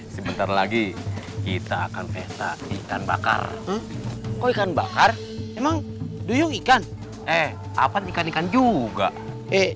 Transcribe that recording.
sebentar lagi kita akan pesta ikan bakar oh ikan bakar emang duyung ikan eh apa ikan ikan juga eh